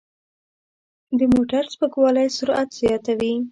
د موټر سپکوالی سرعت زیاتوي.